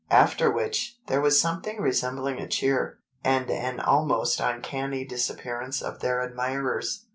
After which, there was something resembling a cheer, and an almost uncanny disappearance of their admirers.